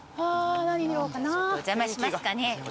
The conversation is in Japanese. お邪魔しますかね。